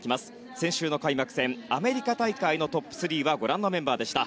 先週の開幕戦アメリカ大会のトップ３はご覧のメンバーでした。